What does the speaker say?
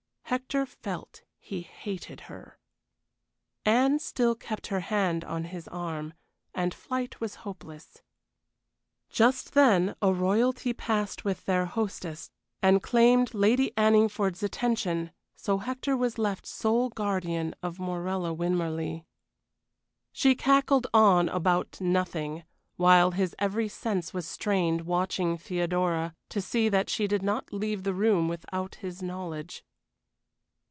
Hector felt he hated her. Anne still kept her hand on his arm, and flight was hopeless. Just then a Royalty passed with their hostess, and claimed Lady Anningford's attention, so Hector was left sole guardian of Morella Winmarleigh. She cackled on about nothing, while his every sense was strained watching Theodora, to see that she did not leave the room without his knowledge.